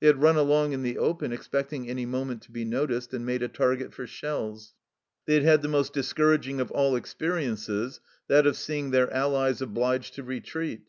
They had run along in the open, expecting any moment to be noticed and made a target for shells. They had had the most discouraging of all experiences, that of seeing their allies obliged to retreat.